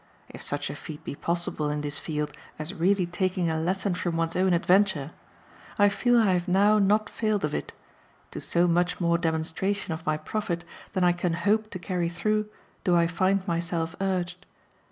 If such a feat be possible in this field as really taking a lesson from one's own adventure I feel I have now not failed of it to so much more demonstration of my profit than I can hope to carry through do I find myself urged.